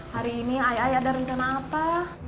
hari ini ayah ada rencana apa